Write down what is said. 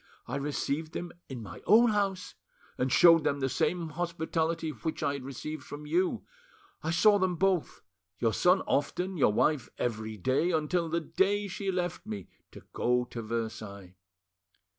I received them in my own house, and showed them the same hospitality which I had received from you. I saw them both, your son often, your wife every day, until the day she left me to go to Versailles.